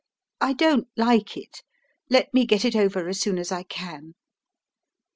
I don't like it; let me get it over as soon as I can.